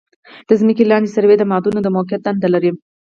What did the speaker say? د ځمکې لاندې سروې د معادنو د موقعیت دنده لري